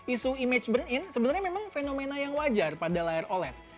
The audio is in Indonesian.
isu image burn in sebenarnya memang fenomena yang wajar pada layar oled